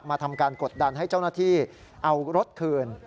ทำการกดดันให้เจ้าหน้าที่เอารถคืน